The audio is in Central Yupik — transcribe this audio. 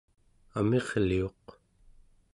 amirliuq